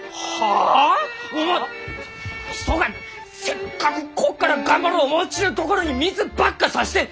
おまん人がせっかくこっから頑張ろう思うちゅうところに水ばっかさして！